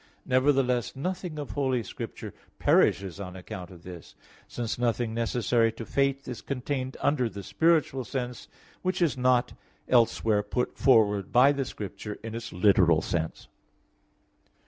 48). Nevertheless, nothing of Holy Scripture perishes on account of this, since nothing necessary to faith is contained under the spiritual sense which is not elsewhere put forward by the Scripture in its literal sense.